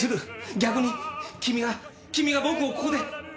逆に君が君が僕をここで殺す。